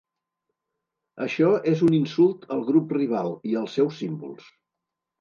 Això és un insult al grup rival i als seus símbols.